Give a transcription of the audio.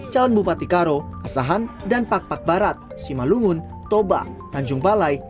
calon bupati karo asahan dan pak pak barat simalungun toba tanjung balai